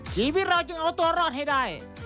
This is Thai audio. ชีวิตเราจึงเอาตัวรอดให้ได้